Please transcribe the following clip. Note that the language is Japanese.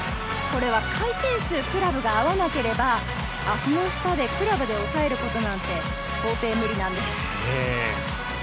回転数、クラブが合わなければ足の下でクラブでおさえることなんて到底無理なんです。